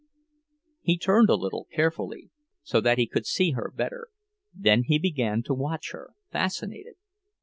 He turned a little, carefully, so that he could see her better; then he began to watch her, fascinated.